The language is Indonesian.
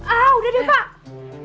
ah udah deh pak